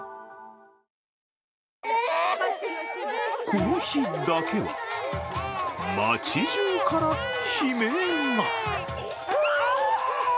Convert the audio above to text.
この日だけは、街じゅうから悲鳴が。